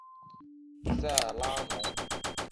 塞拉农。